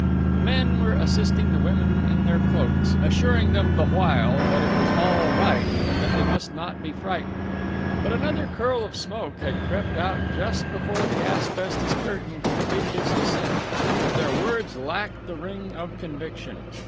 The men were assisting the women in their cloaks, assuring them the while that it was "all right" and that they must not be frightened. But another curl of smoke had crept out just before the asbestos curtain completed its descent, and their words lacked the ring of conviction.